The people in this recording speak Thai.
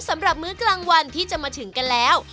สำหรับมือกลางวันที่จะมาถึงกันแล้ว